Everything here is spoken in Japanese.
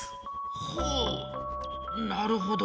ほうなるほど。